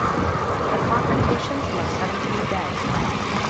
The confrontations left seventeen dead.